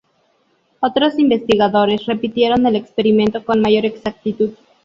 Otros investigadores repitieron el experimento con mayor exactitud.